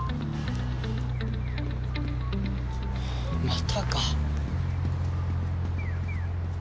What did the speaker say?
またか。